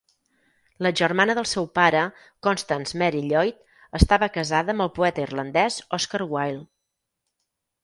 La germana del seu pare, Constance Mary Lloyd, estava casada amb el poeta irlandès Oscar Wilde.